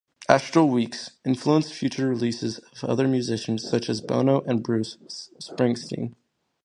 "Astral Weeks" influenced future releases of other musicians such as Bono and Bruce Springsteen.